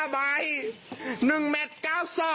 ๕ใบ๑เม็ด๙๒